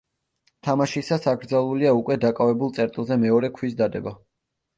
თამაშისას აკრძალულია უკვე დაკავებულ წერტილზე მეორე ქვის დადება.